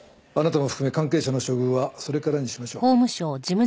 あなたも含め関係者の処遇はそれからにしましょう。